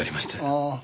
ああ。